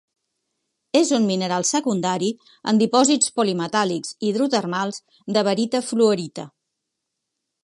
És un mineral secundari en dipòsits polimetàl·lics hidrotermals de barita-fluorita.